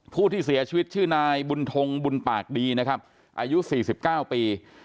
ผู้ที่เสียชีวิตชื่อนายบุญทงบุญปากดีนะครับอายุ๔๙ปี